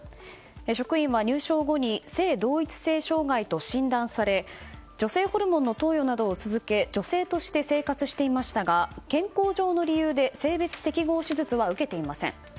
職員は入省後に性同一性障害に診断され女性ホルモンの投与などを続け女性として生活していましたが健康上の理由で性別適合手術は受けていません。